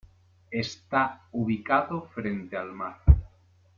Está ubicado frente al mar.